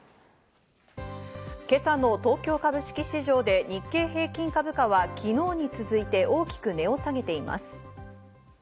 今朝の東京株式市場で日経平均株価は昨日に続いて大きく値を下げています。